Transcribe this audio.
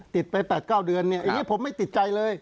ติดไป๘๙เดือนเนี่ยอันนี้ผมไม่ติดใจเลย